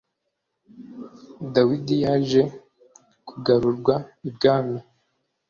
dawidi yaje kugarurwa ibwami